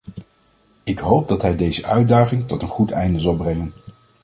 Ik hoop dat hij deze uitdaging tot een goed einde zal brengen.